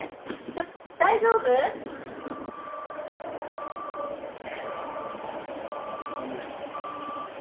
ちょっ大丈夫？んごめん。